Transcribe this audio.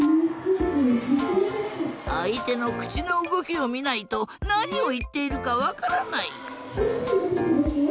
あいてのくちのうごきをみないとなにをいっているかわからない。